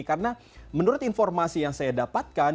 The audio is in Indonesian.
karena menurut informasi yang saya dapatkan